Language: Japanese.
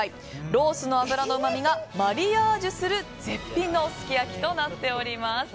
ロースの脂のうまみがマリアージュする絶品のすき焼きとなっております。